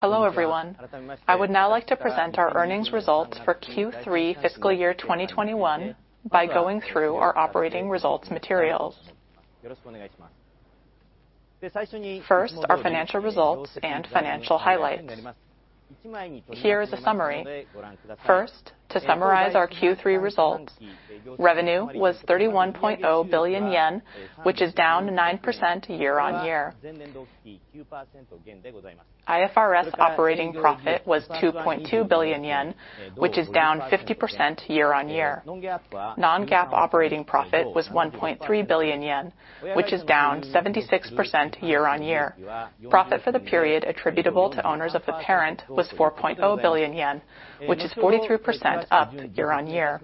Hello, everyone. I would now like to present our earnings results for Q3 FY 2021 by going through our operating results materials. First, our financial results and financial highlights. Here is a summary. First, to summarize our Q3 results, revenue was 31.0 billion yen, which is down 9% year-on-year. IFRS operating profit was 2.2 billion yen, which is down 50% year-on-year. Non-GAAP operating profit was 1.3 billion yen, which is down 76% year-on-year. Profit for the period attributable to owners of the parent was 4.0 billion yen, which is 43% up year-on-year.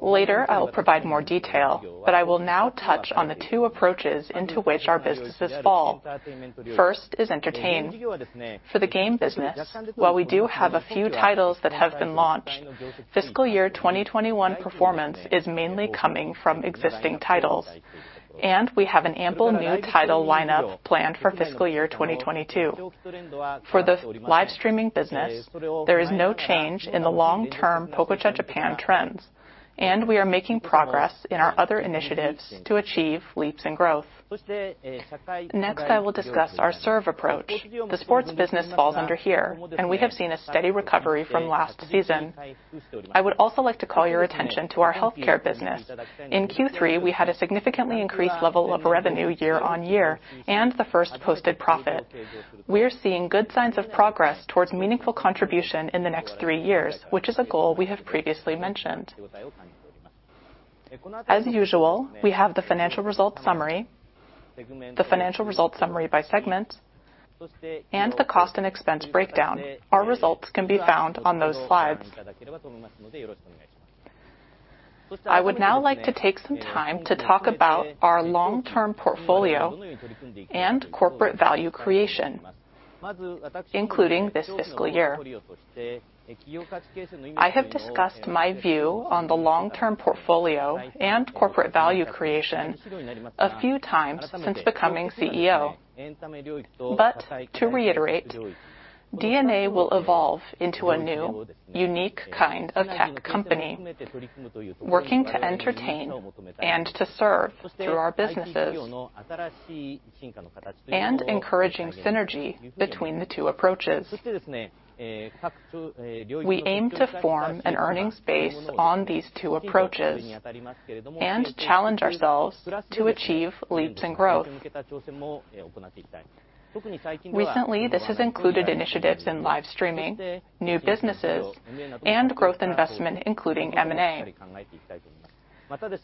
Later, I will provide more detail, but I will now touch on the two approaches into which our businesses fall. First is entertain. For the game business, while we do have a few titles that have been launched, fiscal year 2021 performance is mainly coming from existing titles, and we have an ample new title lineup planned for fiscal year 2022. For the live streaming business, there is no change in the long-term Pococha Japan trends, and we are making progress in our other initiatives to achieve leaps in growth. Next, I will discuss our service approach. The sports business falls under here, and we have seen a steady recovery from last season. I would also like to call your attention to our healthcare business. In Q3, we had a significantly increased level of revenue year-on-year and the first posted profit. We are seeing good signs of progress towards meaningful contribution in the next three years, which is a goal we have previously mentioned. As usual, we have the financial results summary, the financial results summary by segment, and the cost and expense breakdown. Our results can be found on those slides. I would now like to take some time to talk about our long-term portfolio and corporate value creation, including this fiscal year. I have discussed my view on the long-term portfolio and corporate value creation a few times since becoming CEO. To reiterate, DeNA will evolve into a new, unique kind of tech company, working to entertain and to serve through our businesses and encouraging synergy between the two approaches. We aim to form an earnings base on these two approaches and challenge ourselves to achieve leaps in growth. Recently, this has included initiatives in live streaming, new businesses, and growth investment, including M&A.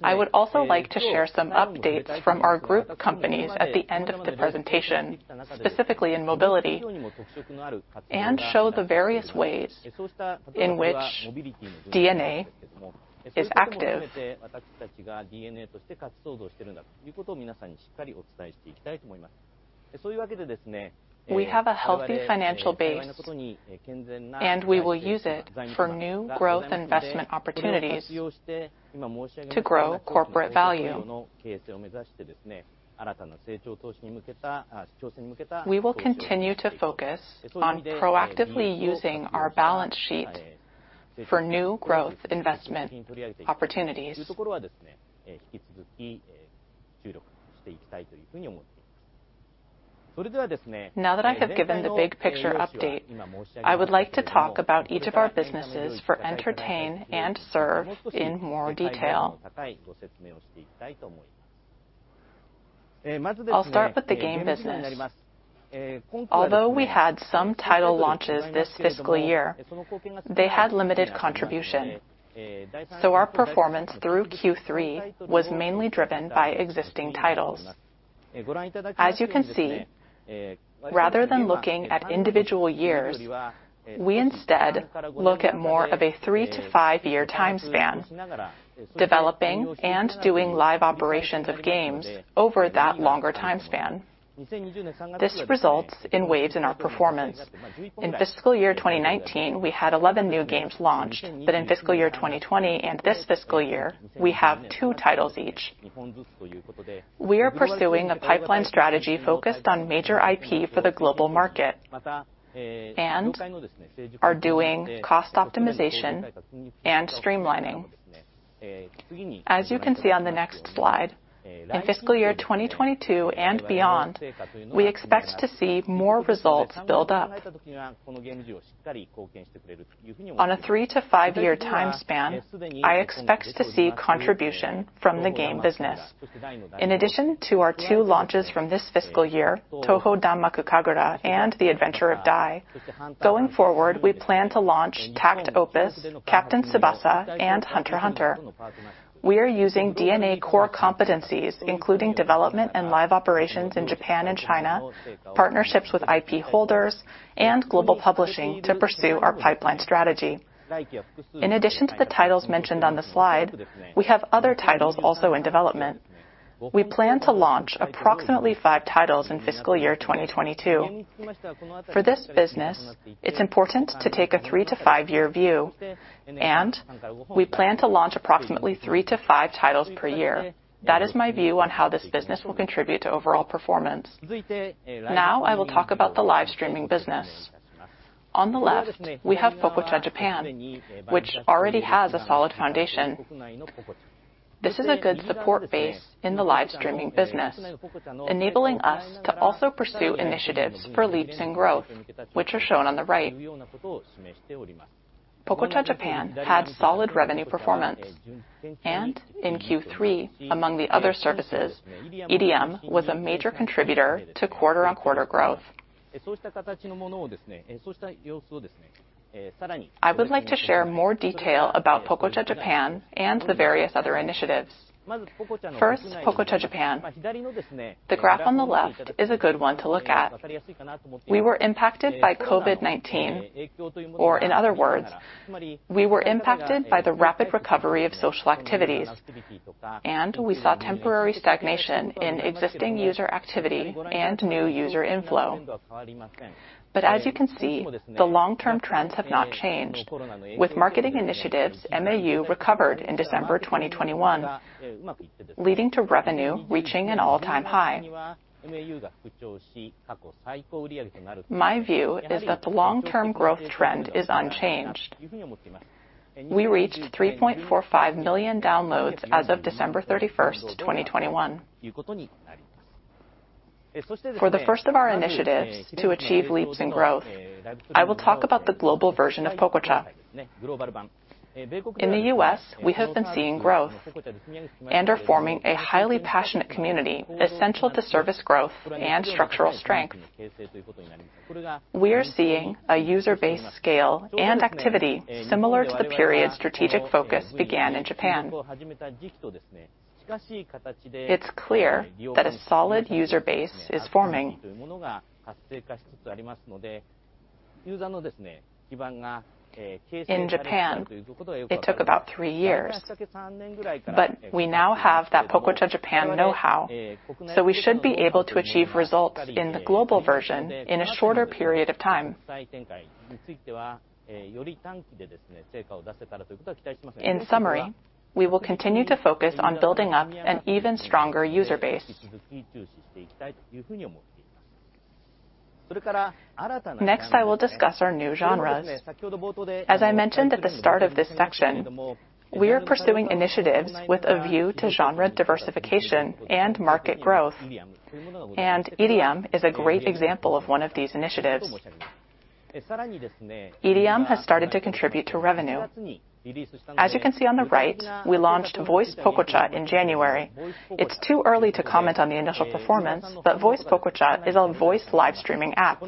I would also like to share some updates from our group companies at the end of the presentation, specifically in mobility, and show the various ways in which DeNA is active. We have a healthy financial base, and we will use it for new growth investment opportunities to grow corporate value. We will continue to focus on proactively using our balance sheet for new growth investment opportunities. Now that I have given the big picture update, I would like to talk about each of our businesses for entertainment and services in more detail. I'll start with the game business. Although we had some title launches this fiscal year, they had limited contribution, so our performance through Q3 was mainly driven by existing titles. As you can see, rather than looking at individual years, we instead look at more of a three to five year time span, developing and doing live operations of games over that longer time span. This results in waves in our performance. In fiscal year 2019, we had 11 new games launched, but in fiscal year 2020 and this fiscal year, we have two titles each. We are pursuing a pipeline strategy focused on major IP for the global market and are doing cost optimization and streamlining. As you can see on the next slide, in fiscal year 2022 and beyond, we expect to see more results build up. On a three to five year time span, I expect to see contribution from the game business. In addition to our two launches from this fiscal year, Touhou Danmaku Kagura and The Adventure of Dai, going forward, we plan to launch takt op., Captain Tsubasa, and Hunter x Hunter. We are using DeNA core competencies, including development and live operations in Japan and China, partnerships with IP holders, and global publishing to pursue our pipeline strategy. In addition to the titles mentioned on the slide, we have other titles also in development. We plan to launch approximately five titles in fiscal year 2022. For this business, it's important to take a three to five year view, and we plan to launch approximately three to five titles per year. That is my view on how this business will contribute to overall performance. Now, I will talk about the live streaming business. On the left, we have Pococha Japan, which already has a solid foundation. This is a good support base in the live streaming business, enabling us to also pursue initiatives for leaps in growth, which are shown on the right. Pococha Japan had solid revenue performance, and in Q3, among the other services, EDM was a major contributor to quarter-over-quarter growth. I would like to share more detail about Pococha Japan and the various other initiatives. First, Pococha Japan. The graph on the left is a good one to look at. We were impacted by COVID-19, or in other words, we were impacted by the rapid recovery of social activities, and we saw temporary stagnation in existing user activity and new user inflow. As you can see, the long-term trends have not changed. With marketing initiatives, MAU recovered in December 2021, leading to revenue reaching an all-time high. My view is that the long-term growth trend is unchanged. We reached 3.45 million downloads as of December 31st, 2021. For the first of our initiatives to achieve leaps in growth, I will talk about the global version of Pococha. In the U.S., we have been seeing growth and are forming a highly passionate community essential to service growth and structural strength. We are seeing a user base scale and activity similar to the period strategic focus began in Japan. It's clear that a solid user base is forming. In Japan, it took about three years, but we now have that Pococha Japan know-how, so we should be able to achieve results in the global version in a shorter period of time. In summary, we will continue to focus on building up an even stronger user base. Next, I will discuss our new genres. As I mentioned at the start of this section, we are pursuing initiatives with a view to genre diversification and market growth. EDM is a great example of one of these initiatives. EDM has started to contribute to revenue. As you can see on the right, we launched Voice Pococha in January. It's too early to comment on the initial performance, but Voice Pococha is a voice live streaming app.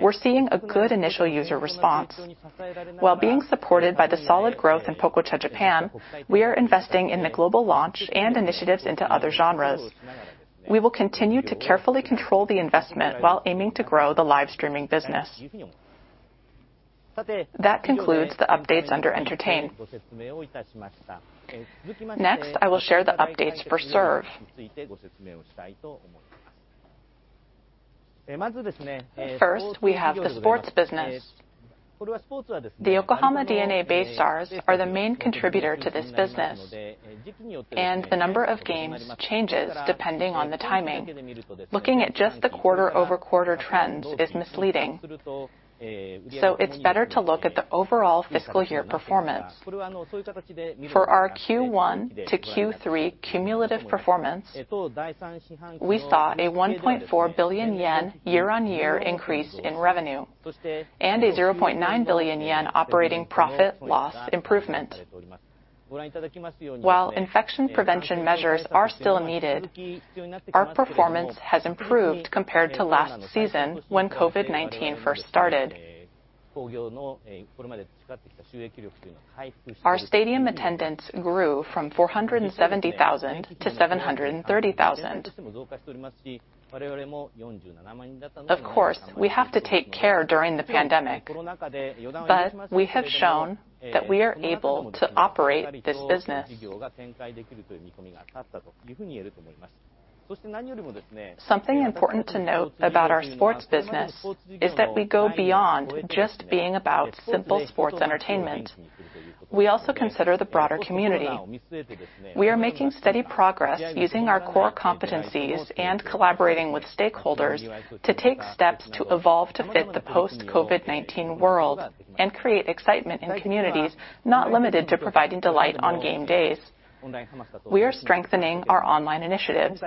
We're seeing a good initial user response. While being supported by the solid growth in Pococha Japan, we are investing in the global launch and initiatives into other genres. We will continue to carefully control the investment while aiming to grow the live streaming business. That concludes the updates under Entertain. Next, I will share the updates for Serve. First, we have the sports business. The Yokohama DeNA BayStars are the main contributor to this business, and the number of games changes depending on the timing. Looking at just the quarter-over-quarter trends is misleading, so it's better to look at the overall fiscal year performance. For our Q1 to Q3 cumulative performance, we saw a 1.4 billion yen year-on-year increase in revenue and a 0.9 billion yen operating profit loss improvement. While infection prevention measures are still needed, our performance has improved compared to last season when COVID-19 first started. Our stadium attendance grew from 470,000 to 730,000. Of course, we have to take care during the pandemic, but we have shown that we are able to operate this business. Something important to note about our sports business is that we go beyond just being about simple sports entertainment. We also consider the broader community. We are making steady progress using our core competencies and collaborating with stakeholders to take steps to evolve to fit the post-COVID-19 world and create excitement in communities not limited to providing delight on game days. We are strengthening our online initiatives.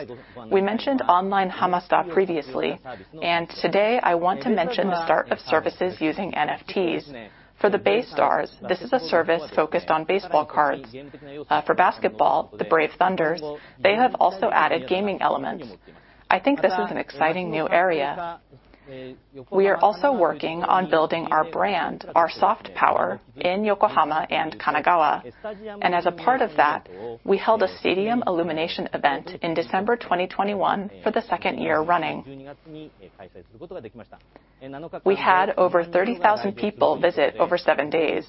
We mentioned Online Hama-Sta previously, and today, I want to mention the start of services using NFTs. For the BayStars, this is a service focused on baseball cards. For basketball, the Brave Thunders, they have also added gaming elements. I think this is an exciting new area. We are also working on building our brand, our soft power, in Yokohama and Kanagawa. As a part of that, we held a stadium illumination event in December 2021 for the second year running. We had over 30,000 people visit over seven days.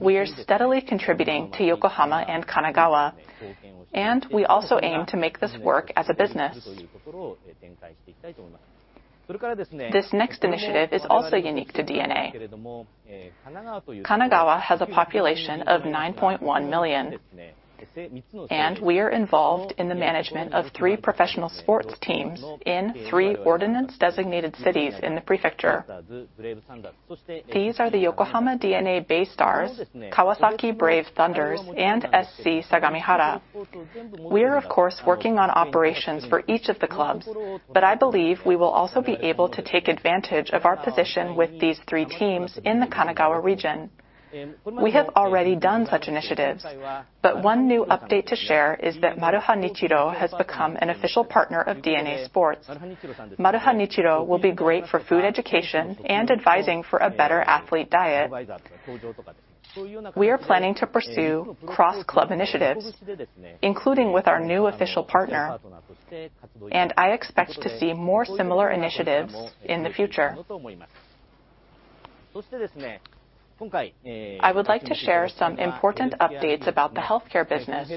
We are steadily contributing to Yokohama and Kanagawa, and we also aim to make this work as a business. This next initiative is also unique to DeNA. Kanagawa has a population of 9.1 million, and we are involved in the management of three professional sports teams in three ordinance designated cities in the prefecture. These are the Yokohama DeNA BayStars, Kawasaki Brave Thunders and SC Sagamihara. We are of course working on operations for each of the clubs, but I believe we will also be able to take advantage of our position with these three teams in the Kanagawa region. We have already done such initiatives, but one new update to share is that Maruha Nichiro has become an official partner of DeNA Sports. Maruha Nichiro will be great for food education and advising for a better athlete diet. We are planning to pursue cross club initiatives, including with our new official partner, and I expect to see more similar initiatives in the future. I would like to share some important updates about the healthcare business.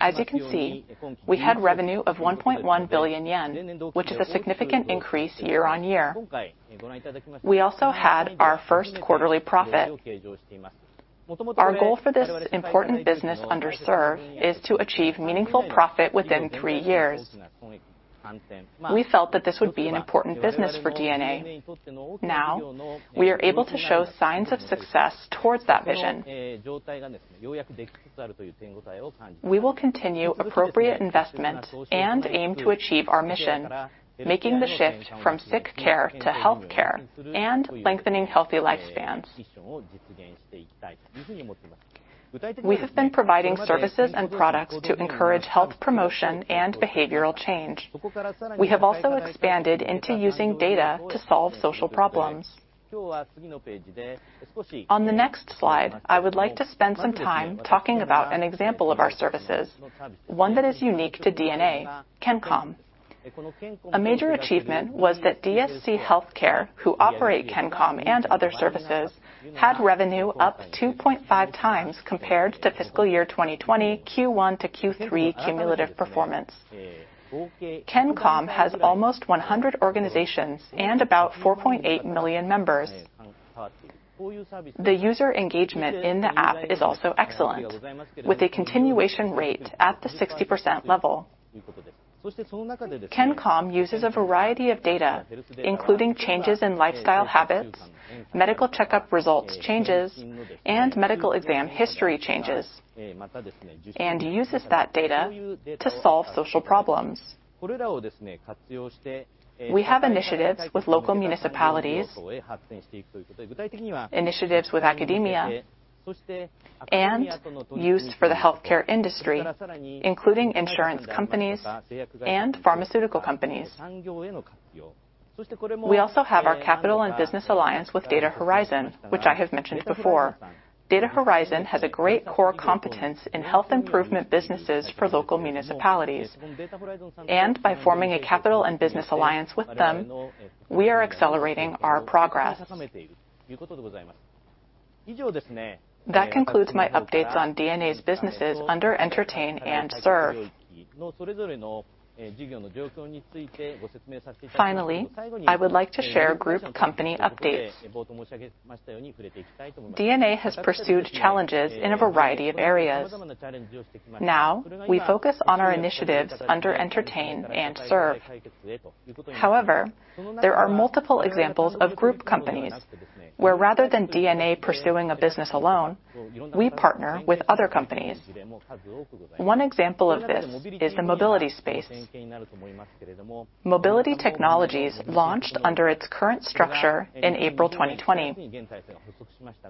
As you can see, we had revenue of 1.1 billion yen, which is a significant increase year-over-year. We also had our first quarterly profit. Our goal for this important business under DeSC is to achieve meaningful profit within three years. We felt that this would be an important business for DeNA. Now we are able to show signs of success towards that vision. We will continue appropriate investment and aim to achieve our mission, making the shift from sick care to health care and lengthening healthy lifespans. We have been providing services and products to encourage health promotion and behavioral change. We have also expanded into using data to solve social problems. On the next slide, I would like to spend some time talking about an example of our services, one that is unique to DeNA, Kencom. A major achievement was that DeSC Healthcare, who operate Kencom and other services, had revenue up 2.5 times compared to fiscal year 2020 Q1-Q3 cumulative performance. Kencom has almost 100 organizations and about 4.8 million members. The user engagement in the app is also excellent, with a continuation rate at the 60% level. Kencom uses a variety of data, including changes in lifestyle habits, medical checkup results changes, and medical exam history changes, and uses that data to solve social problems. We have initiatives with local municipalities, initiatives with academia and use for the healthcare industry, including insurance companies and pharmaceutical companies. We also have our capital and business alliance with Data Horizon, which I have mentioned before. Data Horizon has a great core competence in health improvement businesses for local municipalities, and by forming a capital and business alliance with them, we are accelerating our progress. That concludes my updates on DeNA's businesses under Entertain and Serve. Finally, I would like to share group company updates. DeNA has pursued challenges in a variety of areas. Now we focus on our initiatives under Entertain and Serve. However, there are multiple examples of group companies where, rather than DeNA pursuing a business alone, we partner with other companies. One example of this is the mobility space. Mobility Technologies launched under its current structure in April 2020.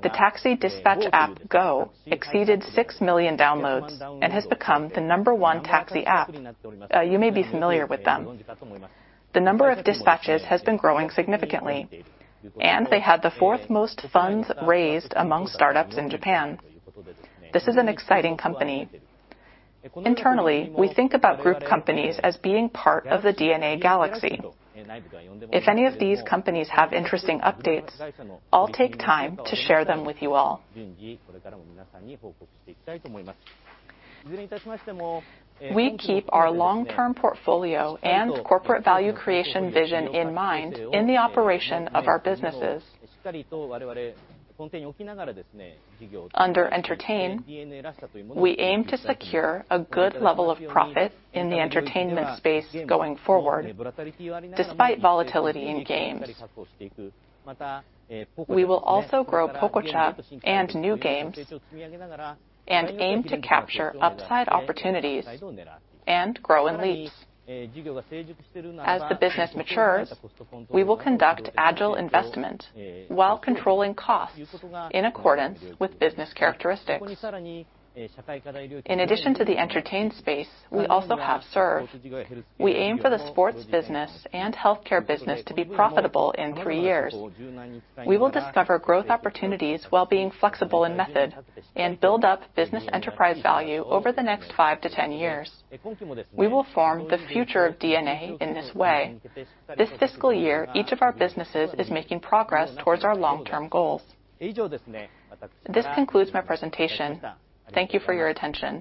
The taxi dispatch app GO exceeded 6 million downloads and has become the number one taxi app. You may be familiar with them. The number of dispatches has been growing significantly, and they had the fourth most funds raised among startups in Japan. This is an exciting company. Internally, we think about group companies as being part of the DeNA galaxy. If any of these companies have interesting updates, I'll take time to share them with you all. We keep our long term portfolio and corporate value creation vision in mind in the operation of our businesses. Under Entertainment, we aim to secure a good level of profit in the entertainment space going forward. Despite volatility in games, we will also grow Pococha and new games and aim to capture upside opportunities and grow in leaps. As the business matures, we will conduct agile investment while controlling costs in accordance with business characteristics. In addition to the entertainment space, we also have Services. We aim for the sports business and healthcare business to be profitable in three years. We will discover growth opportunities while being flexible in method and build up business enterprise value over the next five to 10 years. We will form the future of DeNA in this way. This fiscal year, each of our businesses is making progress towards our long term goals. This concludes my presentation. Thank you for your attention.